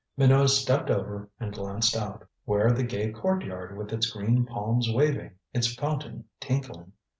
Minot stepped over and glanced out. Where the gay courtyard with its green palms waving, its fountain tinkling?